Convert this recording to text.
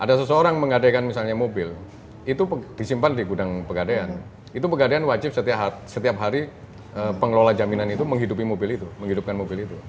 ada seseorang menggadekan misalnya mobil itu disimpan di gudang pegadaian itu pegadaian wajib setiap hari pengelola jaminan itu menghidupi mobil itu menghidupkan mobil itu